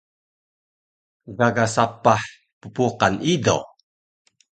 Gaga sapah ppuqan ido